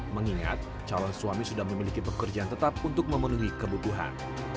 mengingat calon suami sudah memiliki pekerjaan tetap untuk memenuhi kebutuhan